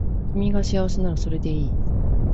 君が幸せならそれでいい